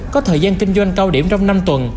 có thời gian kinh doanh cao điểm trong năm tuần